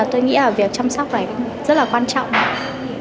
tôi nghĩ là việc chăm sóc này rất là quan trọng